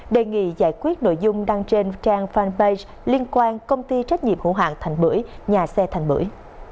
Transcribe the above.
đề nghị giải quyết nội dung đăng trên trang fanpage liên quan công ty trách nhiệm hữu hạng thành bưởi nhà xe thành bưởi